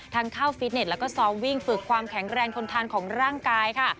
เข้าฟิตเน็ตแล้วก็ซ้อมวิ่งฝึกความแข็งแรงทนทานของร่างกายค่ะ